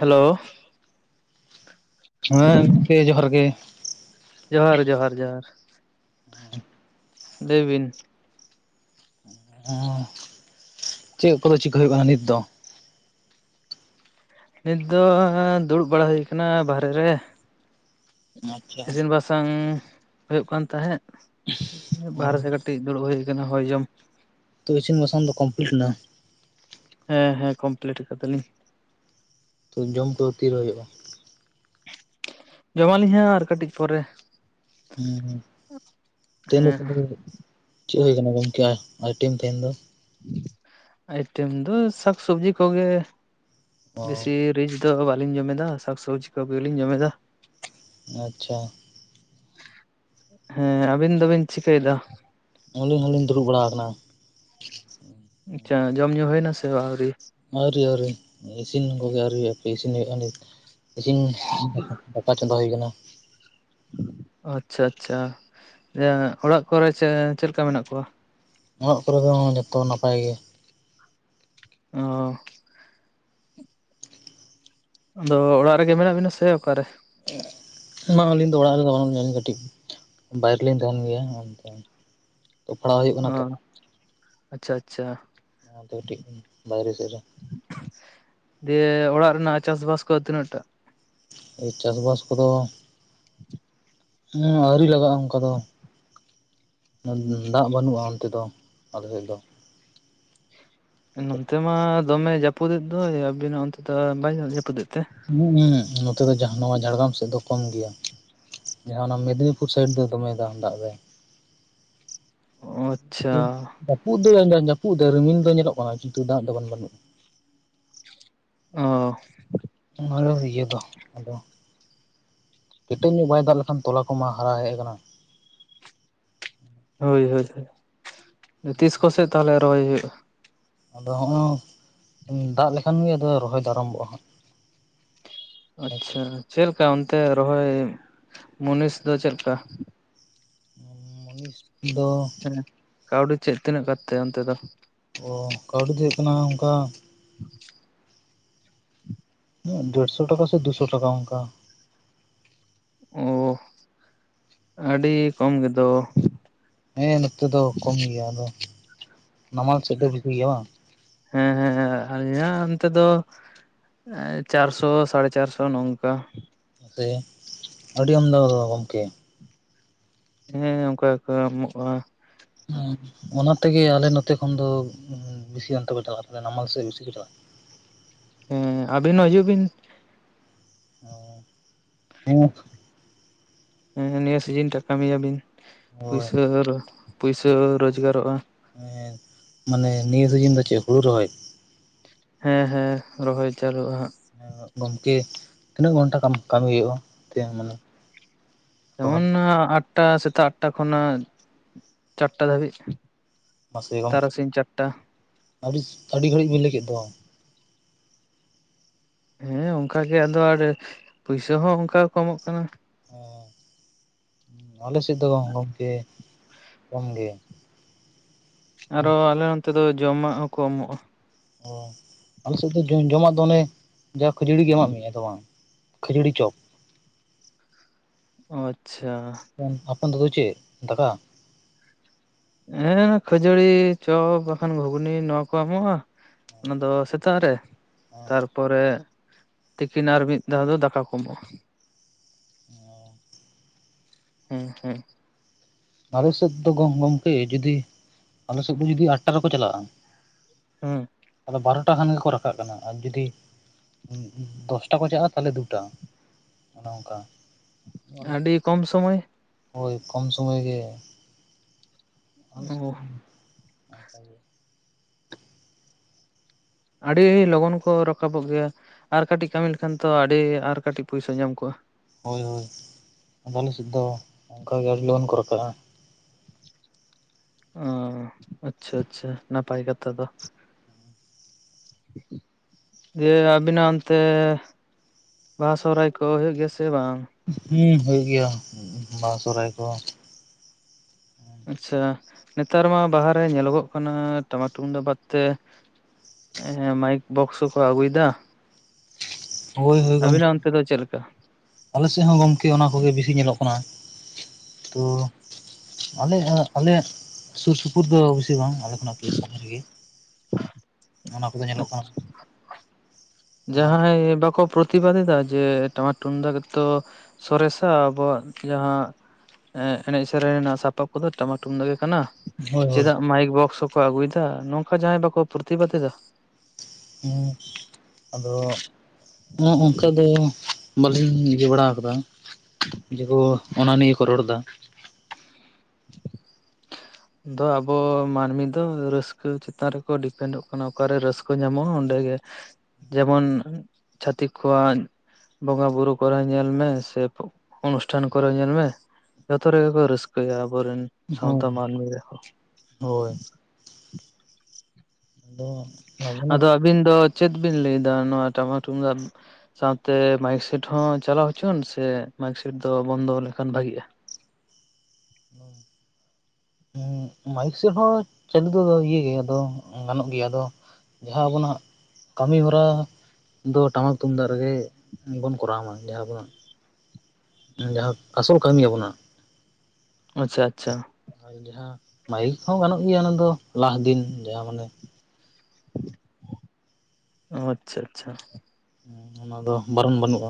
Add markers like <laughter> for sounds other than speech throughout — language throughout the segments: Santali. ᱦᱮᱞᱳ, ᱦᱮᱸ ᱜᱚᱢᱠᱮ ᱡᱚᱦᱟᱨ ᱜᱮ᱾ ᱡᱚᱦᱟᱨ ᱡᱚᱦᱟᱨ ᱡᱚᱦᱟᱨ᱾ ᱞᱟᱹᱭ ᱵᱤᱱ, ᱚᱸ, ᱪᱮᱜ ᱠᱚᱫᱚ ᱪᱤᱠᱟᱹ ᱦᱩᱭᱩᱜ ᱠᱟᱱᱟ ᱱᱤᱛ ᱫᱚ? ᱱᱤᱛ ᱫᱚ ᱫᱩᱲᱩᱵ ᱵᱟᱲᱟ ᱦᱩᱭ ᱠᱟᱱᱟ ᱵᱟᱦᱨᱮ ᱨᱮ᱾ ᱟᱪᱪᱷᱟ ᱤᱥᱤᱱ ᱵᱟᱥᱟ ᱥᱟᱝ ᱦᱩᱭᱩᱜ ᱠᱟᱱ ᱛᱟᱦᱮᱸᱜ᱾ ᱵᱟᱨᱦᱮ ᱥᱮᱫ ᱠᱟᱹᱴᱤᱡ ᱫᱩᱲᱩᱵ ᱦᱩᱭ ᱠᱟᱱᱟ ᱦᱚᱭ ᱡᱚᱢ᱾ ᱛᱚ ᱤᱥᱤᱱ ᱵᱟᱥᱟᱝ ᱫᱚ ᱠᱚᱢᱯᱞᱤᱴ ᱱᱟ? ᱦᱮᱸ ᱦᱮᱸ ᱠᱚᱢᱯᱞᱤᱴ ᱟᱠᱟᱫᱟᱞᱤᱧ᱾ ᱛᱚ ᱡᱚᱢ ᱠᱚ ᱛᱤᱨᱮ ᱦᱳᱭᱳᱜᱼᱟ? ᱡᱚᱢᱟᱞᱤᱧ ᱦᱟᱸᱜ ᱟᱨ ᱠᱟᱹᱴᱤᱡ ᱯᱚᱨᱮ᱾ ᱦᱩᱸ ᱦᱩᱸ ᱛᱮᱦᱮᱧ ᱦᱮᱸ <unintelligible> ᱪᱮᱫ ᱦᱩᱭ ᱠᱟᱱᱟ ᱜᱚᱢᱠᱮ ᱟᱭ ᱟᱭᱴᱮᱢ ᱛᱟᱦᱮᱱ ᱫᱚ? ᱟᱭᱴᱮᱢ ᱫᱚ ᱥᱟᱠ ᱥᱚᱵᱽᱡᱤ ᱠᱚᱜᱮ ᱚ ᱵᱮᱥᱤ ᱨᱤᱪ ᱛᱚ ᱵᱟᱹᱞᱤᱧ ᱡᱚᱢᱮᱫᱟ ᱥᱟᱠᱥᱚᱵᱽᱡᱤ ᱠᱚᱜᱮ ᱞᱤᱧ ᱡᱚᱢᱮᱫᱟ᱾ ᱟᱪᱪᱷᱟ᱾ ᱦᱮᱸ ᱾ ᱟᱹᱵᱤᱱ ᱫᱚᱵᱤᱱ ᱪᱤᱠᱟᱹᱭᱮᱫᱟ? ᱟᱹᱞᱤᱧ ᱦᱚᱸᱞᱤᱧ ᱫᱩᱲᱩᱵ ᱵᱟᱲᱟᱣ ᱟᱠᱟᱱᱟ᱾ ᱟᱪᱪᱷᱟ ᱡᱚᱢ ᱧᱩ ᱦᱩᱭᱱᱟ ᱥᱮ ᱟᱹᱣᱨᱤ? ᱟᱹᱣᱨᱤ ᱟᱹᱣᱨᱤ ᱤᱥᱤᱱ ᱠᱚᱜᱮ ᱟᱹᱣᱨᱤ ᱦᱩᱭᱩᱜ ᱟ᱾ ᱦᱟᱯᱮ ᱤᱥᱤᱱ ᱦᱩᱭᱩᱜᱼᱟ ᱱᱤᱛ ᱤᱥᱤᱱ ᱫᱟᱠᱟ ᱪᱚᱸᱫᱟ ᱦᱩᱭ ᱠᱟᱱᱟ᱾ ᱟᱪᱪᱷᱟ ᱟᱪᱪᱷᱟ᱾ ᱤᱭᱟᱹ ᱚᱲᱟᱜ ᱠᱚᱨᱮ ᱪᱮ ᱪᱮᱜ ᱞᱮᱠᱟ ᱢᱮᱱᱟᱜ ᱠᱚᱣᱟ? ᱚᱲᱟᱜ ᱠᱚᱨᱮ ᱦᱚᱸ ᱡᱚᱛᱚ ᱱᱟᱯᱟᱭ ᱜᱮ᱾ ᱚᱸᱻ ᱟᱫᱚ ᱚᱲᱟᱜ ᱨᱮᱜᱮ ᱢᱮᱱᱟᱜ ᱵᱤᱱᱟ ᱥᱮ ᱚᱠᱟᱨᱮ ᱢᱟ ᱟᱹᱞᱤᱧ ᱫᱚ ᱚᱲᱟᱜ ᱨᱮᱫᱚ ᱵᱟᱹᱱᱩᱜ ᱞᱤᱧᱟᱹ ᱠᱟᱹᱴᱤᱡ ᱵᱟᱭᱨᱮ ᱨᱮᱞᱤᱧ ᱛᱟᱦᱮᱱ ᱜᱮᱭᱟ ᱚᱱᱛᱮ <unintelligible> ᱠᱟᱱᱟ ᱛᱚ ᱚᱸ ᱟᱪᱪᱷᱟ ᱟᱪᱪᱷᱟ᱾ ᱱᱚᱣᱟᱛᱮ ᱠᱟᱹᱴᱤᱡ ᱵᱟᱭᱨᱮ ᱥᱮᱫ ᱨᱮ᱾ ᱫᱤᱭᱮ ᱚᱲᱟᱜ ᱨᱮᱱᱟᱜ ᱪᱟᱥᱵᱟᱥ ᱠᱚ ᱛᱤᱱᱟᱹᱜ ᱴᱟᱜ? ᱪᱟᱥ ᱵᱟᱥ ᱠᱚᱫᱚ, <inaudible> ᱦᱮᱸ ᱟᱣᱨᱤ ᱞᱟᱜᱟᱜᱼᱟ ᱚᱱᱠᱟ ᱫᱚ᱾ ᱫᱟᱜ ᱵᱟᱹᱱᱩᱜᱼᱟ, ᱚᱱᱛᱮ ᱫᱚ ᱟᱞᱮᱥᱮᱜ ᱫᱚ᱾ ᱱᱚᱱᱛᱮ ᱢᱟ ᱫᱚᱢᱮ ᱡᱟᱹᱯᱩᱫᱮᱜ ᱫᱚᱭ ᱟᱵᱤᱱᱟᱜ ᱚᱱᱛᱮ ᱫᱚ ᱵᱟᱭ ᱡᱟᱹᱯᱩᱫᱮᱜ ᱛᱮ? ᱦᱩᱸ ᱱᱚᱛᱮ ᱫᱚ ᱡᱟᱦ ᱱᱚᱣᱟ ᱡᱷᱟᱲᱜᱨᱟᱢ ᱥᱮᱫ ᱫᱚ ᱠᱚᱢ ᱜᱮᱭᱟ ᱡᱟᱦᱟᱸ ᱚᱱᱟ ᱢᱮᱫᱽᱱᱤᱯᱩᱨ ᱥᱟᱹᱭᱤᱰ ᱫᱚ ᱫᱚᱢᱮ ᱫᱟᱜ ᱫᱟᱭ ᱚᱸᱪᱪᱷᱟ ᱡᱟᱹᱯᱩᱫ ᱫᱚᱭ ᱡᱟᱹᱯᱩᱫ ᱫᱟᱭ ᱨᱤᱢᱤᱞ ᱫᱚ ᱧᱮᱞᱚᱜ ᱠᱟᱱᱟ ᱠᱤᱱᱛᱩ ᱫᱟᱜ ᱫᱚ ᱵᱟᱝ ᱵᱟᱱ ᱵᱟᱹᱱᱩᱜᱼᱟ ᱚᱦ ᱟᱨᱚ ᱤᱭᱟᱹ ᱫᱚ ᱟᱫᱚ ᱠᱮᱴᱮᱡ ᱧᱚᱜ ᱵᱟᱭ ᱫᱟᱜ ᱞᱮᱠᱷᱟᱱ ᱛᱚᱞᱟ ᱠᱚᱢᱟ ᱦᱟᱨᱟ ᱦᱮᱡ ᱟᱠᱟᱱᱟ᱾ ᱦᱳᱭ ᱦᱳᱭ ᱛᱤᱥ ᱠᱚᱥᱮᱫ ᱛᱟᱦᱚᱞᱮ ᱨᱚᱦᱚᱭ ᱦᱩᱭᱩᱜᱼᱟ ᱟᱫᱚ ᱦᱚᱸᱜᱚᱭ ᱫᱟᱜ ᱞᱮᱠᱷᱟᱱ ᱜᱮ ᱟᱫᱚ ᱨᱚᱦᱚᱭ ᱟᱨᱟᱢᱵᱚᱜᱼᱟ ᱦᱟᱸᱜ ᱟᱪᱪᱷᱟ ᱪᱮᱫ ᱞᱮᱠᱟ ᱚᱱᱛᱮ ᱨᱚᱦᱚᱭ ᱢᱩᱱᱤᱥ ᱫᱚ ᱪᱮᱫ ᱞᱮᱠᱟ ᱢᱩᱱᱤᱥ ᱫᱚ ᱦᱮᱸ ᱠᱟᱹᱣᱰᱤ ᱪᱮᱫ ᱛᱤᱱᱟᱹᱜ ᱠᱟᱛᱮ ᱚᱱᱛᱮ ᱫᱚ ᱚ ᱠᱟᱹᱣᱰᱤ ᱫᱚ ᱦᱩᱭᱩᱜ ᱠᱟᱱᱟ ᱚᱱᱠᱟ <unintelligible> ᱰᱮᱲᱥᱚ ᱴᱟᱠᱟ ᱥᱮ ᱫᱩᱥᱚ ᱴᱟᱠᱟ ᱚᱱᱠᱟ ᱚ ᱟᱹᱰᱤ ᱠᱚᱢ ᱜᱮᱫᱚ ᱦᱮᱸ ᱱᱚᱛᱮ ᱫᱚ ᱠᱚᱢ ᱜᱮᱭᱟ ᱟᱫᱚ ᱱᱟᱢᱟᱞ ᱥᱮᱫ ᱫᱚ ᱵᱷᱟᱹᱜᱤ ᱜᱮᱭᱟ ᱵᱟᱝ ᱦᱮᱸᱻᱦᱮᱸᱻ ᱟᱹᱞᱤᱧᱟᱜ ᱚᱱᱛᱮ ᱫᱚ ᱪᱟᱨᱥᱚ ᱥᱟᱲᱮ ᱪᱟᱨᱥᱚ ᱱᱚᱝᱠᱟ ᱱᱚᱛᱮ ᱟᱹᱰᱤ ᱟᱢᱫᱟ ᱫᱚ ᱜᱚᱢᱠᱮ ᱦᱮᱸ ᱚᱱᱠᱟ ᱜᱮᱠᱚ ᱮᱢᱚᱜᱼᱟ ᱦᱮᱸ ᱚᱱᱟ ᱛᱮᱜᱮ ᱟᱞᱮ ᱱᱚᱛᱮ ᱠᱷᱚᱱ ᱫᱚ ᱵᱤᱥᱤ ᱜᱟᱱ ᱛᱮᱠᱚ ᱪᱟᱞᱟᱜᱼᱟ ᱛᱚᱵᱮ ᱱᱟᱢᱟᱞ ᱥᱮᱫ ᱵᱤᱥᱤ ᱠᱚ ᱪᱟᱞᱟᱜᱼᱟ ᱦᱮᱸ ᱟᱹᱵᱤᱱ ᱦᱚᱸ ᱦᱤᱡᱩᱜ ᱵᱤᱱ ᱚ ᱦᱮᱸ ᱦᱮᱸ ᱱᱤᱭᱟᱹ ᱥᱤᱡᱤᱱ ᱴᱟ ᱠᱟᱹᱢᱤ ᱭᱟᱹᱵᱤᱱ ᱦᱳᱭ ᱯᱩᱭᱥᱟᱹ ᱯᱩᱭᱥᱟᱹ ᱨᱚᱡᱽᱜᱟᱨᱚᱜᱼᱟ ᱦᱮᱸ ᱢᱟᱱᱮ ᱱᱤᱭᱟᱹ ᱥᱤᱡᱤᱱ ᱫᱚ ᱪᱮᱫ ᱦᱩᱲᱩ ᱨᱚᱦᱚᱭ ᱦᱮᱸᱻᱦᱮᱸᱻ ᱨᱚᱦᱚᱭ ᱪᱟᱹᱞᱩᱜᱼᱟ ᱦᱟᱸᱜ ᱦᱮᱸ ᱜᱚᱢᱠᱮ ᱛᱤᱱᱟᱹᱜ ᱜᱷᱚᱱᱴᱟ ᱠᱟᱹᱢᱤ ᱦᱩᱭᱩᱜᱼᱟ ᱚᱱᱛᱮ ᱢᱟᱱᱮ ᱨᱚᱦᱚᱭ ᱮᱢᱚᱱᱟᱜ ᱟᱴ ᱴᱟ ᱥᱮᱛᱟᱜ ᱟᱴ ᱴᱟ ᱠᱷᱚᱱᱟᱜ ᱪᱟᱨ ᱴᱟ ᱫᱷᱟᱹᱵᱤᱡ ᱢᱟᱥᱮ ᱜᱚᱢᱠᱮ ᱛᱟᱨᱟᱥᱤᱧ ᱪᱟᱨᱴᱟ ᱟᱹᱰᱤᱥ ᱟᱹᱰᱤ ᱜᱷᱟᱹᱲᱤᱡ ᱵᱮᱱ ᱞᱟᱹᱭ ᱠᱮᱫ ᱫᱚ ᱦᱮᱸ ᱚᱱᱠᱟᱜᱮ ᱟᱫᱚ ᱟᱰᱷᱮᱨ ᱯᱩᱭᱥᱟᱹ ᱦᱚᱸ ᱚᱱᱠᱟ ᱜᱮᱠᱚ ᱮᱢᱚᱜ ᱠᱟᱱᱟ ᱦᱮᱸ ᱟᱞᱮ ᱥᱮᱫ ᱫᱚ ᱜᱚᱝᱠᱮ ᱠᱚᱢ ᱜᱮ ᱟᱨᱚ ᱟᱞᱮ ᱚᱱᱛᱮ ᱫᱚ ᱡᱚᱢᱟᱜ ᱦᱚᱸ ᱠᱚ ᱮᱢᱚᱜᱼᱟ ᱚ ᱟᱞᱮ ᱥᱮᱫ ᱫᱚ ᱡᱚᱢ ᱡᱚᱢᱟᱜ ᱫᱚ ᱚᱱᱮ ᱡᱟ ᱠᱷᱟᱹᱡᱟᱹᱲᱤ ᱜᱮ ᱮᱢᱟᱜ ᱢᱮᱭᱟ ᱟᱫᱚ ᱵᱟᱝ ᱠᱷᱟᱹᱡᱟᱹᱲᱤ ᱪᱚᱯ ᱚᱸᱪᱪᱷᱟ ᱟᱯᱚᱱ ᱫᱚᱜᱚ ᱪᱮᱫ ᱫᱟᱠᱟ ᱦᱮᱸ ᱠᱷᱟᱹᱡᱟᱹᱲᱤ ᱪᱚᱯ ᱵᱟᱠᱷᱟᱱ ᱜᱷᱩᱜᱽᱱᱤ ᱱᱚᱣᱟ ᱠᱚ ᱮᱢᱚᱜᱼᱟ᱾ ᱚᱱᱟ ᱫᱚ ᱥᱮᱛᱟᱜ ᱨᱮ ᱛᱟᱨᱯᱚᱨᱮ ᱛᱤᱠᱤᱱ ᱟᱨ ᱢᱤᱫ ᱫᱷᱟᱣ ᱫᱚ ᱫᱟᱠᱟ ᱠᱚ ᱮᱢᱚᱜᱼᱟ᱾ ᱦᱮᱸ <unintelligible> ᱦᱮᱸ ᱦᱮᱸ ᱟᱞᱮ ᱥᱮᱫ ᱫᱚ ᱜᱚᱢ ᱜᱚᱝᱠᱮ ᱡᱩᱫᱤ ᱟᱞᱮᱥᱮᱫ ᱫᱚ ᱡᱩᱫᱤ ᱟᱴ ᱴᱟ ᱨᱮᱠᱚ ᱪᱟᱞᱟᱜᱼᱟ᱾ ᱦᱮᱸ ᱟᱫᱚ ᱵᱟᱨᱚᱴᱟ ᱠᱷᱟᱱ ᱜᱮᱠᱚ ᱨᱟᱠᱟᱵ ᱠᱟᱱᱟ, ᱟᱨ ᱡᱩᱫᱤ ᱫᱚᱥᱴᱟ ᱠᱷᱚ ᱪᱟᱜᱼᱟ ᱛᱟᱦᱞᱮ ᱫᱩᱴᱟ ᱚᱱᱮ ᱚᱱᱠᱟ᱾ ᱟᱹᱰᱤ ᱠᱚᱢ ᱥᱚᱢᱚᱭ᱾ ᱦᱳᱭ ᱠᱚᱢ ᱥᱚᱢᱚᱭ ᱜᱮ ᱚ <unintelligible> ᱟᱹᱰᱤ ᱞᱚᱜᱚᱱ ᱠᱚ ᱨᱟᱠᱟᱵᱚᱜ ᱜᱮᱭᱟ ᱟᱨ ᱠᱟᱹᱴᱤᱡ ᱠᱟᱹᱢᱤ ᱞᱮᱠᱷᱟᱱ ᱛᱚ ᱟᱹᱰᱤ ᱟᱨ ᱠᱟᱹᱴᱤᱡ ᱯᱩᱭᱥᱟ ᱧᱟᱢ ᱠᱚᱜᱼᱟ᱾ ᱦᱳᱭ ᱦᱳᱭ ᱟᱞᱮᱥᱮᱫ ᱫᱚ ᱚᱱᱠᱟᱜᱮ ᱟᱹᱰᱤ ᱞᱚᱜᱚᱱ ᱠᱚ ᱨᱟᱠᱟᱵᱼᱟ᱾ ᱚ ᱟᱪᱷᱟ ᱟᱪᱷᱟ ᱱᱟᱯᱟᱭ ᱠᱟᱛᱷᱟ ᱫᱚ᱾ ᱡᱮ ᱟᱵᱮᱱᱟᱜ ᱚᱱᱛᱮ ᱵᱟᱦᱟ ᱥᱚᱦᱨᱟᱭ ᱠᱚ ᱦᱩᱭᱩᱜ ᱜᱮᱭᱟ ᱥᱮ ᱵᱟᱝ? ᱦᱮᱸ ᱦᱩᱭᱩᱜ ᱜᱮᱭᱟ ᱵᱟᱦᱟ ᱥᱚᱦᱚᱨᱟᱭ ᱠᱚ᱾ ᱟᱪᱷᱟ ᱱᱮᱛᱟᱨ ᱢᱟ ᱵᱟᱦᱟ ᱨᱮ ᱧᱮᱞᱚᱜᱚᱜ ᱠᱟᱱᱟ ᱴᱟᱢᱟᱠ ᱴᱩᱢᱫᱟᱜ ᱵᱟᱫ ᱛᱮ᱾ ᱢᱟᱭᱤᱠ ᱵᱚᱠᱥᱚ ᱠᱚ ᱟᱹᱜᱩᱭᱮᱫᱟ, ᱦᱳᱭ ᱦᱳᱭ ᱜᱚᱢᱠᱮ ᱟᱵᱤᱱᱟᱜ ᱚᱱᱛᱮ ᱫᱚ ᱪᱮᱫ ᱞᱮᱠᱟ? ᱟᱞᱮ ᱥᱮᱫ ᱦᱚᱸ ᱜᱚᱝᱠᱮ ᱚᱱᱟ ᱠᱚᱜᱮ ᱵᱮᱥᱤ ᱧᱮᱞᱚᱜ ᱠᱟᱱᱟ᱾ ᱛᱚ ᱟᱞᱮ ᱟᱞᱮ ᱥᱩᱨ ᱥᱩᱯᱩᱨ ᱫᱚ ᱵᱮᱥᱤ ᱵᱟᱝ ᱟᱞᱮ <unintelligible> ᱚᱱᱟ ᱠᱚᱫᱚ ᱧᱮᱞᱚᱜ ᱠᱟᱱᱟ ᱦᱳᱭ ᱡᱟᱦᱟᱸᱭ ᱵᱟᱠᱚᱼᱼ ᱯᱨᱚᱛᱤᱵᱟᱫ ᱮᱫᱟ ᱡᱮ ᱴᱟᱢᱟᱠ ᱴᱩᱢᱫᱟᱜ ᱛᱚ ᱥᱚᱨᱮᱥᱟ ᱟᱵᱚᱣᱟᱜ ᱡᱟᱦᱟᱸ, ᱮᱱᱮᱡ ᱥᱮᱨᱮᱧ ᱨᱮᱱᱟᱜ ᱥᱟᱯᱟᱵ ᱠᱚᱫᱚ ᱴᱟᱢᱟᱠ ᱴᱩᱢᱫᱟᱜ ᱜᱮ ᱠᱟᱱᱟ᱾ ᱦᱳᱭ ᱪᱮᱫᱟᱜ ᱢᱟᱭᱤᱠ ᱵᱚᱠᱥ ᱦᱚᱸᱠᱚ ᱟᱹᱜᱩᱭᱮᱫᱟ ᱱᱚᱝᱠᱟ ᱡᱟᱦᱟᱸᱭ ᱵᱟᱠᱚ ᱯᱨᱚᱛᱤᱵᱟᱫ ᱮᱫᱟ? ᱦᱮᱸ ᱟᱫᱚ ᱚᱱᱠᱟ ᱫᱚ ᱵᱟᱹᱞᱤᱧ ᱤᱭᱟᱹ ᱵᱟᱲᱟ ᱟᱠᱟᱫᱟ᱾ ᱡᱮᱠᱚ ᱚᱱᱟ ᱱᱤᱭᱮ ᱠᱚ ᱨᱚᱲᱫᱟ᱾ <unintelligible> ᱫᱚ ᱟᱵᱚ ᱢᱟᱹᱱᱢᱤ ᱫᱚ ᱨᱟᱹᱥᱠᱟᱹ ᱪᱮᱛᱟᱱ ᱨᱮᱠᱚ ᱰᱤᱯᱮᱱᱰᱚᱜ ᱠᱟᱱᱟ ᱚᱠᱟᱨᱮ ᱨᱟᱹᱥᱠᱟᱹ ᱠᱚ ᱧᱟᱢᱚᱜᱼᱟ ᱚᱸᱰᱮ ᱜᱮ, ᱡᱮᱢᱚᱱ ᱪᱷᱟᱛᱤᱠ ᱠᱚᱣᱟᱜ ᱵᱚᱸᱜᱟ ᱵᱩᱨᱩ ᱠᱚᱨᱮ ᱧᱮᱞ ᱢᱮ ᱥᱮ ᱚᱱᱩᱥᱴᱷᱟᱱ ᱠᱚᱨᱮ ᱧᱮᱞ ᱢᱮ᱾ ᱡᱚᱛᱚ ᱨᱮᱜᱮ ᱠᱚ ᱨᱟᱹᱥᱠᱟᱹᱭᱟ ᱟᱵᱚᱨᱮᱱ᱾ ᱥᱟᱶᱛᱟ ᱦᱮᱸ ᱢᱟᱹᱱᱢᱤ ᱨᱮᱦᱚᱸ ᱦᱳᱭ ᱟᱫᱚ ᱱᱟᱥᱮᱱᱟᱜ ᱟᱫᱚ ᱟᱹᱵᱤᱱ ᱫᱚ ᱪᱮᱫ ᱵᱤᱱ ᱞᱟᱹᱭᱫᱟ ᱱᱚᱣᱟ ᱴᱟᱢᱟᱠ ᱛᱩᱢᱫᱟᱜ ᱨᱮᱱᱟᱠ? ᱥᱟᱶᱛᱮ ᱢᱟᱭᱤᱠ ᱥᱮᱴ ᱦᱚᱸ ᱪᱟᱞᱟᱣ ᱦᱚᱪᱚ, ᱥᱮ ᱢᱟᱭᱤᱠ ᱥᱮᱴ ᱫᱚ ᱵᱚᱱᱫᱚ ᱞᱮᱠᱷᱟᱱ ᱵᱷᱟᱜᱤᱜᱼᱟ? <unintelligible> ᱢᱟᱭᱤᱠ ᱥᱮᱫᱴ ᱦᱚᱸ ᱪᱟᱹᱞᱩ ᱫᱚ ᱤᱭᱟᱹ ᱜᱤᱭᱟ. ᱟᱫᱚ ᱜᱟᱱᱚᱜ ᱜᱮᱭᱟ ᱟᱫᱚ᱾ ᱡᱟᱦᱟᱸ ᱟᱵᱚᱱᱟᱜ ᱠᱟᱹᱢᱤ ᱦᱚᱨᱟ ᱫᱚ ᱴᱟᱢᱟᱠ ᱛᱩᱢᱫᱟᱜ ᱨᱮᱜᱮ ᱵᱚᱱ ᱠᱚᱨᱟᱣ ᱢᱟ ᱡᱟᱦᱟᱸ ᱟᱵᱚ ᱡᱟᱦᱟᱸ ᱟᱥᱚᱞ ᱠᱟᱹᱢᱤ ᱟᱵᱚᱱᱟ ᱟᱪᱷᱟ ᱟᱪᱷᱟ ᱟᱨ ᱡᱟᱦᱟᱸ ᱢᱟᱭᱤᱞ ᱠᱚᱦᱚᱸ ᱜᱟᱱᱚᱜ ᱜᱮᱭᱟ ᱚᱱᱟ ᱫᱚ ᱞᱟᱦ ᱫᱤᱱ ᱡᱟᱦᱟᱸ ᱢᱟᱱᱮ ᱚ ᱟᱪᱷᱟ ᱟᱪᱷᱟ ᱚᱱᱟ ᱫᱚ ᱵᱟᱨᱚᱱ ᱵᱟᱹᱱᱩᱜᱼᱟ᱾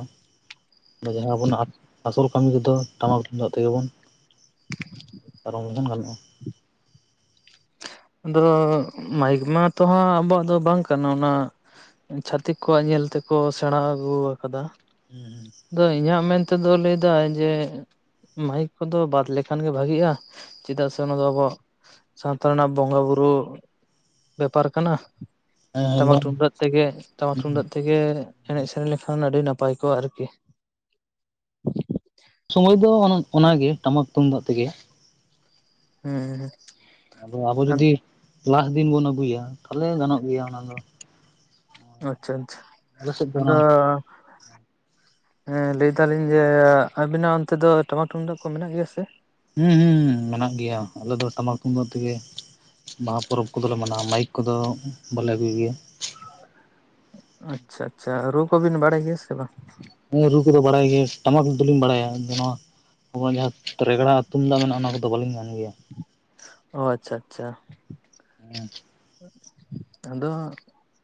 ᱡᱟᱦᱟᱸ ᱟᱵᱚᱱᱟᱜ ᱟᱥᱚᱞ ᱠᱟᱹᱢᱤ ᱠᱚᱫᱚ ᱴᱟᱢᱟᱠ ᱛᱩᱢᱫᱟᱜ ᱛᱮᱜᱮ ᱵᱚᱱ ᱯᱟᱨᱚᱢ ᱞᱮᱱᱠᱷᱟᱱ ᱜᱟᱱᱚᱜᱼᱟ᱾ ᱟᱫᱚ ᱢᱟᱭᱤᱠ ᱢᱟ ᱛᱚ ᱦᱟᱸᱜ ᱟᱵᱚᱣᱟᱜ ᱫᱚ ᱵᱟᱝ ᱠᱟᱱᱟ ᱚᱱᱟ ᱪᱷᱟᱛᱤᱠ ᱠᱚᱣᱟᱜ ᱧᱮᱞ ᱛᱮᱠᱚ ᱥᱮᱬᱟ ᱟᱹᱜᱩ ᱟᱠᱟᱫᱟ᱾ <unintelligible> ᱟᱫᱚ ᱤᱧᱟᱹᱜ ᱢᱮᱱᱛᱮ ᱫᱚ ᱞᱟᱹᱭᱮᱫᱟ ᱡᱮ, ᱢᱟᱭᱤᱠ ᱠᱚᱫᱚ ᱵᱟᱫ ᱞᱮᱠᱷᱟᱱ ᱜᱮ ᱵᱷᱟᱜᱤᱜᱼᱟ ᱪᱮᱫᱟᱜ ᱥᱮ ᱚᱱᱟ ᱫᱚ ᱟᱵᱚᱣᱟᱜ ᱥᱟᱶᱛᱟ ᱨᱮᱱᱟᱜ ᱵᱚᱸᱜᱟ ᱵᱩᱨᱩ ᱵᱮᱯᱟᱨ ᱠᱟᱱᱟ᱾ ᱦᱮᱸ ᱴᱟᱢᱟᱠ ᱵᱟᱝ ᱴᱩᱢᱫᱟᱜ ᱛᱮᱜᱮ ᱴᱟᱢᱟᱠ ᱴᱩᱢᱫᱟᱜ ᱛᱮᱜᱮ ᱜᱮ ᱮᱱᱮᱡ ᱥᱮᱨᱮᱧ ᱞᱮᱠᱷᱟᱱ ᱟᱹᱰᱤ ᱱᱟᱯᱟᱭ ᱠᱚᱜᱼᱟ ᱟᱨᱠᱤ᱾ ᱥᱚᱢᱚᱭ ᱫᱚ ᱚᱱᱟᱜᱮ ᱴᱟᱢᱟᱠ ᱛᱩᱢᱫᱟᱜ ᱛᱮᱜᱮ᱾ <unintelligible> ᱟᱫᱚ ᱟᱵᱚ ᱦᱩᱸ ᱡᱩᱫᱤ ᱞᱟᱜ ᱫᱤᱱ ᱵᱚᱱ ᱟᱹᱜᱩᱭᱟ ᱛᱟᱦᱚᱞᱮ ᱜᱟᱱᱚᱜ ᱜᱮᱭᱟ ᱚᱱᱟ ᱫᱚ ᱾ ᱟᱪᱪᱷᱟ - ᱟᱪᱪᱷᱟ ᱟᱞᱮ ᱥᱮᱫ ᱫᱚ ᱟᱫᱚ ᱚᱱᱟ ᱦᱮᱸ ᱞᱟᱹᱭ ᱫᱟᱞᱤᱧ ᱡᱮ ᱟᱵᱤᱱᱟᱜ ᱚᱱᱛᱮ ᱫᱚ ᱴᱟᱢᱟᱠ ᱛᱩᱢᱫᱟᱜ ᱠᱚ ᱢᱮᱱᱟᱜ ᱜᱮᱭᱟ ᱥᱮ? ᱦᱩᱸ ᱦᱩᱸ ᱢᱮᱱᱟᱜ ᱜᱮᱭᱟ ᱟᱞᱮ ᱫᱚ ᱴᱟᱢᱟᱠ ᱛᱩᱢᱫᱟᱹᱜ ᱛᱮᱜᱮ ᱵᱟᱦᱟ ᱯᱚᱨᱚᱵᱽ ᱠᱚᱫᱚᱞᱮ ᱢᱟᱱᱟᱣᱟ ᱢᱟᱹᱭᱤᱠ ᱠᱚᱫᱚ ᱵᱟᱞᱮ ᱟᱹᱜᱩᱭ ᱜᱮᱭᱟ ᱾ ᱟᱪᱪᱷᱟ ᱟᱪᱪᱷᱟ ᱨᱩ ᱠᱚᱵᱤᱱ ᱵᱟᱲᱟᱭ ᱜᱮᱭᱟ ᱥᱮ ᱵᱟᱝ? ᱦᱮᱸ ᱨᱩ ᱠᱚᱫᱚ ᱵᱟᱲᱟᱭ ᱜᱮ ᱴᱟᱢᱟᱠ ᱫᱚᱞᱤᱧ ᱵᱟᱲᱟᱭᱟ ᱟᱫᱚ ᱱᱚᱣᱟ ᱟᱵᱚᱣᱟᱜ ᱡᱟᱦᱟᱸ ᱨᱮᱜᱽᱲᱟ ᱛᱩᱢᱫᱟᱜ ᱢᱮᱱᱟᱜᱼᱟ ᱚᱱᱟ ᱠᱚᱫᱚ ᱵᱟᱹᱞᱤᱧ ᱜᱟᱱ ᱜᱮᱭᱟ ᱚ ᱟᱪᱪᱷᱟ ᱟᱪᱪᱷᱟ ᱟᱫᱚ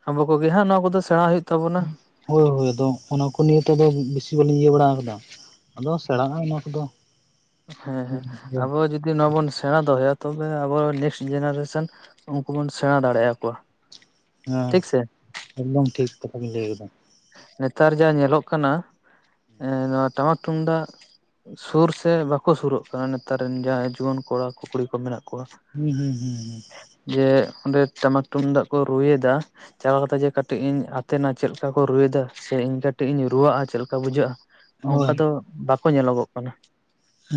ᱟᱵᱚ ᱠᱚᱜᱮ ᱦᱟᱸᱜ ᱱᱚᱣᱟ ᱠᱚᱫᱚ ᱥᱮᱬᱟ ᱦᱩᱭᱩᱜ ᱛᱟᱵᱚᱱᱟ ᱾ ᱦᱚᱭ ᱦᱚᱭ ᱟᱫᱚ ᱚᱱᱟ ᱠᱚ ᱱᱤᱭᱮ ᱛᱮ ᱫᱚ ᱵᱮᱥᱤ ᱵᱟᱞᱤᱧ ᱤᱭᱟᱹ ᱵᱟᱲᱟ ᱟᱠᱟᱫᱟ ᱾ ᱦᱮᱸ ᱦᱮᱸ ᱟᱵᱚ ᱡᱩᱫᱤ ᱱᱚᱣᱟᱵᱚᱱ ᱥᱮᱬᱟ ᱫᱚᱦᱚᱭᱟ ᱛᱚᱵᱮ ᱟᱵᱚ ᱱᱮᱠᱥᱴ ᱡᱮᱱᱟᱨᱮᱥᱚᱱ ᱩᱱᱠᱩ ᱵᱚᱱ ᱥᱮᱬᱟ ᱫᱟᱲᱮᱭᱟ ᱟᱠᱚᱣᱟ ᱾ ᱦᱮᱸ ᱮᱠᱫᱚᱢ ᱴᱷᱤᱠ ᱠᱟᱛᱷᱟ ᱵᱤᱱ ᱞᱟᱹᱭ ᱟᱠᱟᱫᱟ ᱾ ᱱᱮᱛᱟᱨ ᱡᱟ ᱧᱮᱞᱚᱜ ᱠᱟᱱᱟ ᱱᱚᱣᱟ ᱴᱟᱢᱟᱠ ᱛᱩᱢᱫᱟᱜ ᱥᱩᱨ ᱥᱮ ᱵᱟᱠᱚ ᱥᱩᱨᱚᱜ ᱠᱟᱱᱟ ᱱᱮᱛᱟᱨ ᱨᱮᱱ ᱡᱟᱦᱟᱸᱭ ᱡᱩᱣᱟᱹᱱ ᱠᱚᱲᱟ ᱠᱩ ᱠᱩᱲᱤ ᱠᱚ ᱢᱮᱱᱟᱜ ᱠᱚᱣᱟ ᱾ ᱦᱩᱸ ᱦᱩᱸ ᱦᱩᱸ ᱦᱩᱸ ᱡᱮ ᱚᱸᱰᱮ ᱴᱟᱢᱟᱠ ᱛᱩᱢᱫᱟᱜ ᱠᱚ ᱨᱩᱭᱮᱫᱟ ᱪᱟᱞᱟᱣ ᱠᱟᱛᱮᱜ ᱡᱮ ᱠᱟᱴᱤᱡ ᱤᱧ ᱛᱮᱱᱟᱜ ᱪᱮᱫ ᱞᱮᱠᱟ ᱠᱚ ᱨᱩᱭ ᱮᱫᱟ ᱥᱮ ᱤᱧ ᱠᱟᱹᱴᱤᱡ ᱤᱧ ᱨᱩᱣᱟᱹᱜᱼᱟ ᱪᱮᱫ ᱞᱮᱠᱟ ᱵᱩᱡᱷᱟᱹᱜᱼᱟ ᱦᱩᱸ ᱚᱱᱠᱟ ᱦᱳᱭ ᱫᱚ ᱵᱟᱠᱚ ᱧᱮᱞᱚᱜᱚᱜ ᱠᱟᱱᱟ ᱾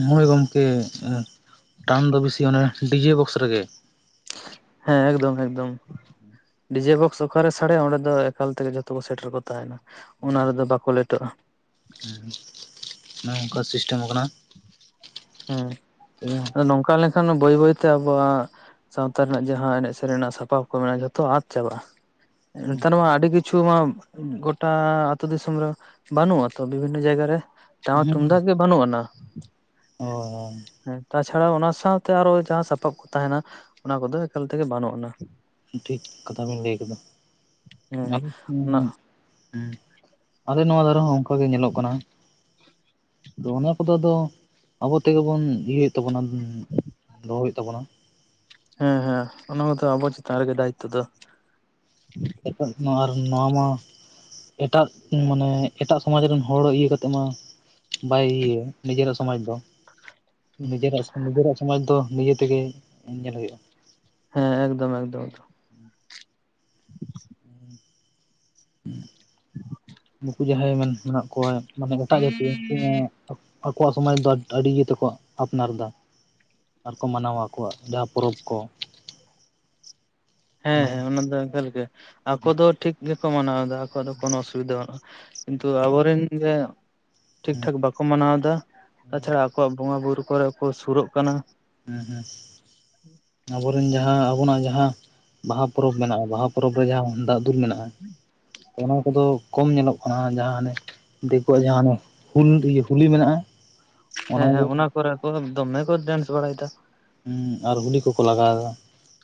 ᱦᱚᱭ ᱜᱚᱢᱠᱮ ᱴᱟᱱ ᱫᱚ ᱵᱤᱥᱤ ᱚᱱᱮ ᱰᱤᱡᱮ ᱵᱚᱠᱥ ᱨᱮᱜᱮ ᱾ ᱦᱮᱸ ᱮᱠᱫᱚᱢ ᱮᱠᱫᱚᱢ ᱰᱤᱡᱮ ᱵᱚᱠᱥ ᱚᱠᱟᱨᱮ ᱥᱟᱰᱮᱭᱟ ᱚᱸᱰᱮ ᱫᱚ ᱮᱠᱟᱞ ᱛᱮᱜᱮ ᱡᱚᱛᱚ ᱠᱚ ᱥᱮᱴᱮᱨ ᱠᱚ ᱛᱟᱦᱮᱱᱟ ᱚᱱᱟ ᱨᱮᱫᱚ ᱵᱟᱠᱚ ᱞᱮᱴᱚᱜᱼᱟ ᱾ <unintelligible> ᱱᱚᱝᱠᱟ ᱥᱤᱥᱴᱮᱢ ᱟᱠᱟᱱᱟ ᱾ ᱦᱩᱸ ᱟᱫᱚ ᱱᱚᱝᱠᱟ ᱞᱮᱱᱠᱷᱟᱱ ᱵᱟᱹᱭ ᱵᱟᱹᱭᱛᱮ ᱟᱵᱚᱣᱟᱜ ᱥᱟᱶᱛᱟ ᱨᱮᱱᱟᱜ ᱡᱟᱦᱟᱸ ᱮᱱᱮᱡ ᱥᱮᱨᱮᱧ ᱨᱮᱱᱟᱜ ᱥᱟᱯᱟᱵ ᱠᱚ ᱢᱮᱱᱟᱜᱼᱟ ᱡᱷᱚᱛᱚ ᱟᱫ ᱪᱟᱵᱟᱜᱼᱟ ᱾ ᱱᱮᱛᱟᱨ ᱢᱟ ᱟᱹᱰᱤ ᱠᱤᱼ ᱼᱪᱷᱩ ᱢᱟ ᱜᱚᱴᱟ ᱟᱹᱛᱩ ᱫᱤᱥᱚᱢ ᱨᱮ ᱵᱟᱹᱱᱩᱜᱼᱟ ᱛᱚ ᱵᱤᱵᱷᱤᱱᱱᱚ ᱡᱟᱭᱜᱟ ᱨᱮ ᱴᱟᱢᱟᱠ ᱛᱩᱢᱫᱟᱜ ᱜᱮ ᱵᱟᱹᱱᱩᱜ ᱟᱱᱟ ᱾ ᱦᱚᱭ ᱦᱚᱭ ᱦᱮᱸ ᱛᱟᱪᱷᱟᱲᱟ ᱚᱱᱟ ᱥᱟᱶᱛᱮ ᱟᱨᱚ ᱡᱟᱦᱟᱸ ᱥᱟᱯᱟᱵ ᱠᱚ ᱛᱟᱦᱮᱱᱟ ᱚᱱᱟ ᱠᱚᱫᱚ ᱮᱠᱟᱞ ᱛᱮᱜᱮ ᱵᱟᱹᱱᱩᱜ ᱟᱱᱟ ᱾ ᱴᱷᱤᱠ ᱠᱟᱛᱷᱟ ᱵᱤᱱ ᱞᱟᱹᱭ ᱠᱮᱫᱟ ᱦᱮᱸ <inaudible> ᱚᱱᱟ ᱦᱩᱸ ᱟᱞᱮ ᱱᱚᱣᱟ ᱫᱟᱨᱮ ᱦᱚᱸ ᱚᱱᱠᱟ ᱜᱮ ᱧᱮᱞᱚᱜ ᱠᱟᱱᱟ ᱾ ᱛᱚ ᱚᱱᱟ ᱠᱚᱫᱚ ᱟᱫᱚ ᱟᱵᱚ ᱛᱮᱜᱮ ᱵᱚᱱ ᱤᱭᱟᱹ ᱮᱛ ᱛᱟᱵᱚᱱᱟ ᱫᱚᱦᱚ ᱦᱩᱭᱩᱜ ᱛᱟᱵᱚᱱᱟ ᱾ ᱦᱮᱸ ᱦᱮᱸ ᱚᱱᱟ ᱢᱟᱛᱚ ᱟᱵᱚ ᱪᱮᱛᱟᱱ ᱨᱮᱜᱮ ᱫᱟᱭᱤᱛᱛᱚ ᱫᱚ ᱾ <inaudible> ᱟᱨ ᱱᱚᱣᱟ ᱢᱟ ᱮᱴᱟᱜ ᱢᱟᱱᱮ ᱮᱴᱟᱜ ᱥᱚᱢᱟᱡᱽ ᱨᱮᱱ ᱦᱚᱲ ᱤᱭᱟᱹ ᱠᱟᱛᱮᱜ ᱢᱟ ᱵᱟᱭ ᱤᱭᱟᱹᱭᱟ ᱱᱤᱡᱮᱨᱟᱜ ᱥᱚᱢᱟᱡᱽ ᱫᱚ ᱾ ᱱᱤᱡᱮᱨᱟᱜ ᱱᱤᱡᱮᱨᱟᱜ ᱥᱚᱢᱟᱡᱽ ᱫᱚ ᱱᱤᱡᱮ ᱛᱮᱜᱮ ᱧᱮᱞ ᱦᱩᱭᱩᱜᱼᱟ ᱾ ᱦᱮᱸ ᱮᱠᱫᱚᱢ ᱮᱠᱫᱚᱢ ᱮᱠᱫᱚᱢ <unintelligible> <unintelligible> ᱱᱩᱠᱩ ᱡᱟᱦᱟᱸᱭ ᱢᱮᱱᱟᱜ ᱠᱚᱣᱟ ᱢᱟᱱᱮ ᱮᱴᱟᱜ ᱡᱟᱹᱛᱤ ᱩᱱᱠᱩ ᱦᱚᱸ ᱟᱠᱚᱣᱟᱜ ᱥᱚᱢᱟᱡᱽ ᱫᱚ ᱟᱹᱰᱤ ᱤᱭᱟᱹᱛᱮᱠᱚ ᱟᱯᱱᱟᱨ ᱮᱫᱟ ᱾ ᱟᱨ ᱠᱚ ᱢᱟᱱᱟᱣᱟ ᱟᱠᱚᱣᱟᱜ ᱡᱟᱦᱟᱸ ᱯᱚᱨᱚᱵᱽ ᱠᱚ ᱾ ᱦᱮᱸ ᱦᱮᱸ ᱚᱱᱟ ᱫᱚ ᱮᱠᱟᱞ ᱜᱮ ᱟᱠᱚ ᱫᱚ ᱴᱷᱤᱠ ᱜᱮᱠᱚ ᱢᱟᱱᱟᱣ ᱫᱟ ᱟᱠᱚᱣᱟᱜ ᱫᱚ ᱠᱚᱱᱚ ᱚᱥᱩᱵᱤᱫᱟ ᱵᱟᱱᱩᱜ-ᱟ ᱾ ᱠᱤᱱᱛᱩ ᱟᱵᱚ ᱨᱮᱱ <unintelligible> ᱴᱷᱤᱠ ᱦᱮᱸ ᱴᱷᱟᱠ ᱵᱟᱠᱚ ᱢᱟᱱᱟᱣ ᱫᱟ <unintelligible> ᱟᱠᱚᱣᱟᱜ ᱵᱚᱸᱜᱟ ᱵᱩᱨᱩ ᱠᱚᱨᱮ ᱠᱚ ᱥᱩᱨᱚᱜ ᱠᱟᱱᱟ᱾ ᱦᱩᱸ ᱦᱩᱸ ᱟᱵᱚᱨᱮᱱ ᱡᱟᱦᱟᱸ ᱟᱵᱚᱱᱟᱜ ᱡᱟᱦᱟᱸ ᱵᱟᱦᱟ ᱯᱚᱨᱚᱵᱽ ᱢᱮᱱᱟᱜ-ᱟ ᱵᱟᱦᱟ ᱯᱚᱨᱚᱵᱽ ᱨᱮ ᱡᱟᱦᱟᱸ ᱩᱢ ᱫᱟᱜ <unintelligible> ᱢᱮᱱᱟᱜ-ᱟ ᱛᱚ ᱚᱱᱟ ᱠᱚᱫᱚ ᱠᱚᱢ ᱧᱮᱞᱚᱜ ᱠᱟᱱᱟ ᱡᱟᱦᱟᱸ ᱦᱟᱱᱮ ᱫᱮᱠᱳᱣᱟᱜ ᱡᱟᱦᱟᱸ ᱦᱟᱱᱮ ᱦᱩᱞ ᱤᱭᱟᱹ ᱦᱩᱞᱤ ᱢᱮᱱᱟᱜ-ᱟ ᱦᱮᱸ ᱦᱮᱸ ᱚᱱᱟ ᱠᱚᱨᱮ ᱠᱚ ᱫᱚᱢᱮ ᱠᱚ ᱰᱮᱱᱥ ᱵᱟᱲᱟᱭ ᱫᱟ ᱦᱩᱸ ᱟᱨ ᱜᱩᱞᱤ ᱠᱩᱠᱚ ᱞᱟᱜᱟᱣ ᱫᱟ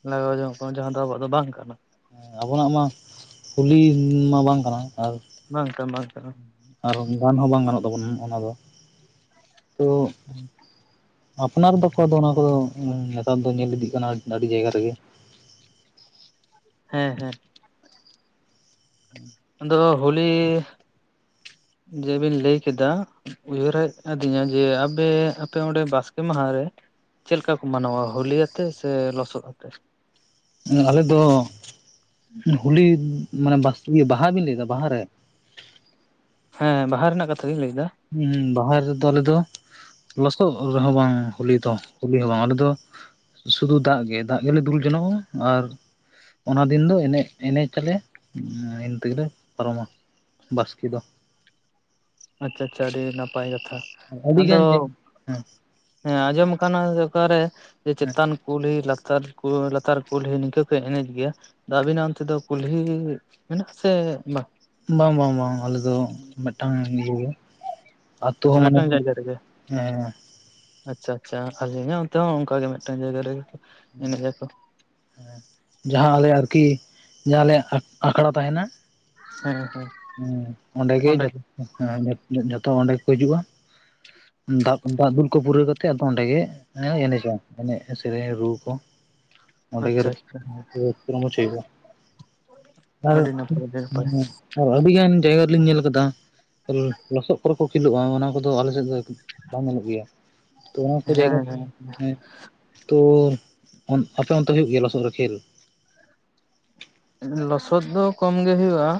ᱞᱟᱜᱟᱣ <unintelligible> ᱡᱟᱦᱟᱸ ᱫᱚ ᱟᱵᱚᱣᱟᱜ ᱫᱚ ᱵᱟᱝ ᱠᱟᱱᱟ ᱟᱵᱚᱱᱟᱜ ᱢᱟ ᱠᱩᱞᱤ ᱢᱟ ᱵᱟᱝ ᱠᱟᱱᱟ ᱟᱨ ᱵᱟᱝ ᱠᱟ ᱵᱟᱝ ᱠᱟᱱᱟ ᱟᱨ ᱜᱟᱱ ᱦᱚᱸ ᱵᱟᱝ ᱜᱟᱱᱚᱜ ᱛᱟᱵᱚᱱᱟ ᱚᱱᱟ ᱫᱚ, ᱛᱳ <unintelligible> ᱟᱯᱱᱟᱨ ᱫᱚ ᱠᱚᱫᱚ ᱚᱱᱟ ᱠᱚᱫᱚ ᱱᱮᱛᱟᱨ ᱫᱚ ᱧᱮᱞ ᱤᱫᱤᱜ ᱠᱟᱱᱟ ᱟᱹᱰᱤ ᱡᱟᱭᱜᱟ ᱨᱮᱜᱮ ᱦᱮᱸ ᱦᱮᱸ <unintelligible> ᱟᱫᱚ ᱦᱳᱞᱤ ᱡᱮ ᱵᱤᱱ ᱞᱟᱹᱭ ᱠᱮᱫᱟ ᱩᱭᱦᱟᱹᱨ ᱦᱮᱡ ᱟᱹᱫᱤᱧᱟ ᱡᱮ ᱟᱯᱮᱻ ᱟᱯᱮ ᱚᱸᱰᱮ ᱵᱟᱥᱠᱮ ᱢᱟᱦᱟ ᱨᱮ ᱪᱮᱫ ᱞᱮᱠᱟ ᱠᱚ ᱢᱟᱱᱟᱣᱟ ᱦᱳᱞᱤᱭᱟᱛᱮ ᱥᱮ ᱞᱚᱥᱚᱫ ᱟᱛᱮ ᱦᱩᱸ ᱟᱞᱮᱫ ᱫᱚ <inaudible> ᱦᱩᱞᱤ ᱢᱟᱱᱮ ᱵᱟᱥᱠᱤ ᱵᱟᱦᱟ ᱵᱤᱱ ᱞᱟᱹᱭ ᱫᱟ ᱵᱟᱦᱟ ᱨᱮ ᱦᱮᱸ ᱵᱟᱦᱟ ᱨᱮᱱᱟᱜ ᱠᱟᱛᱷᱟ ᱜᱤᱧ ᱞᱟᱹᱭ ᱫᱟ᱾ <inaudible> ᱵᱟᱦᱟ ᱨᱮᱫᱚ ᱟᱞᱮ ᱫᱚ ᱞᱚᱥᱚᱜ ᱨᱮᱦᱚᱸ ᱵᱟᱝ ᱦᱩᱞᱤ ᱫᱚ ᱦᱩᱞᱤ ᱦᱚᱸ ᱵᱟᱝ ᱟᱞᱮ ᱫᱚ ᱥᱩᱫᱷᱩ ᱫᱟᱜ ᱜᱮ ᱫᱟᱜ ᱜᱮᱞᱮ ᱫᱩᱞ ᱡᱚᱱᱚᱜ-ᱟ ᱟᱨ ᱚᱱᱟ ᱫᱤᱱ ᱫᱚ ᱮᱱᱮᱡ ᱮᱱᱮᱡ ᱪᱟᱞᱮ <inaudible> ᱤᱱ ᱛᱮ ᱜᱮᱞᱮ ᱯᱟᱨᱚᱢᱟ ᱵᱟᱥᱠᱮ ᱫᱚ ᱟᱪᱪᱷᱟ ᱟᱪᱪᱷᱟ ᱟᱹᱰᱤ ᱱᱟᱯᱟᱭ ᱠᱟᱛᱷᱟ ᱟᱹᱰᱤ ᱟᱫᱚ ᱜᱟᱱ <inaudible> ᱦᱩᱸ ᱦᱮᱸ ᱟᱸᱡᱚᱢ ᱠᱟᱱᱟ ᱚᱠᱟᱨᱮ ᱡᱮ ᱦᱮᱸ ᱪᱮᱛᱟᱱ ᱠᱩᱞᱦᱤ ᱞᱟᱛᱟᱨ ᱠᱩ ᱞᱟᱛᱟᱨ ᱠᱩᱞᱦᱤ ᱱᱤᱝᱠᱟᱹ ᱠᱚ ᱮᱱᱮᱡ ᱜᱮᱭᱟ ᱫᱟ ᱟᱹᱵᱤᱱᱟᱜ ᱚᱱᱛᱮ ᱫᱚ ᱠᱩᱞᱦᱤ ᱢᱮᱱᱟᱜ-ᱟ ᱥᱮ ᱵᱟᱝ ᱵᱟᱝ ᱵᱟᱝ ᱵᱟᱝ ᱟᱞᱮ ᱫᱚ ᱢᱮᱫᱴᱟᱝ ᱤᱭᱟᱹ ᱜᱮ᱾ ᱟᱛᱳ ᱟᱪᱪᱷᱟ ᱦᱚᱸ ᱢᱟᱱᱮ ᱢᱤᱫᱴᱟᱝ ᱡᱟᱭᱜᱟ ᱨᱮᱜᱮ <inaudible> ᱦᱮᱸ ᱟᱪᱪᱷᱟ ᱟᱪᱪᱷᱟ ᱵᱷᱟᱜᱮ ᱜᱮ ᱚᱱᱛᱮ ᱦᱚᱸ ᱚᱱᱠᱟ ᱜᱮ ᱢᱮᱫᱴᱟᱝ ᱡᱟᱭᱜᱟ ᱨᱮ <inaudible> ᱡᱟᱦᱟᱸ ᱟᱞᱮᱭᱟᱜ ᱟᱨᱠᱤ ᱡᱟᱦᱟᱸ ᱟᱞᱮᱭᱟᱜ ᱟᱠ ᱟᱠᱷᱲᱟ ᱛᱟᱦᱮᱱᱟ ᱦᱮᱸ ᱦᱮᱸ ᱦᱩᱸ ᱚᱸᱰᱮ ᱜᱮ ᱡᱚᱛ <inaudible> ᱡᱷᱚᱛᱚ ᱚᱸᱰᱮ ᱜᱮᱠᱚ ᱦᱤᱡᱩᱜ-ᱟ ᱦᱩᱸ ᱫᱟᱜ ᱫᱟᱜ ᱫᱩᱞ ᱠᱚ ᱯᱩᱨᱟᱹᱣ ᱠᱟᱛᱮᱜ ᱟᱫᱚ ᱚᱸᱰᱮ ᱜᱮ ᱮᱱᱮᱡᱟ ᱮᱱᱮᱡ ᱥᱮᱨᱮᱧ ᱨᱩ ᱠᱚ ᱚᱸᱰᱮ ᱟᱪᱪᱷᱟ ᱜᱮ ᱟᱪᱪᱷᱟ ᱟᱹᱰᱤ ᱱᱟᱯᱟᱭ ᱟᱹᱰᱤ ᱱᱟᱯᱟᱭ <unintelligible> ᱟᱨ ᱟᱹᱰᱤ ᱜᱟᱱ ᱡᱟᱭᱜᱟ ᱨᱮᱞᱤᱧ ᱧᱮᱞ ᱠᱟᱫᱟ ᱞᱚ ᱞᱚᱥᱚᱜ ᱠᱚᱨᱮ ᱠᱚ ᱠᱷᱮᱞᱳᱜ-ᱟ ᱚᱱᱟ ᱠᱚᱫᱚ ᱟᱞᱮᱥᱮᱫ ᱫᱚ ᱵᱟᱝ ᱧᱟᱢᱚᱜ ᱜᱮᱭᱟ ᱛᱳ ᱚᱱᱟ ᱠᱚ ᱡᱟᱭᱜᱟ ᱦᱮᱸ ᱫᱚ ᱦᱮᱸ ᱛᱳ ᱚᱱ ᱟᱯᱮ ᱚᱱᱛᱮ ᱦᱳᱭᱳᱜ ᱜᱮᱭᱟ ᱞᱚᱥᱚᱜ ᱨᱮ ᱠᱷᱮᱞ ᱞᱚᱥᱚᱫ ᱫᱚ ᱠᱚᱢ ᱜᱮ ᱦᱩᱭᱩᱜ-ᱟ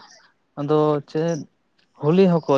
ᱟᱫᱚ ᱪᱮᱫ ᱦᱳᱞᱤ ᱦᱚᱸ ᱠᱚ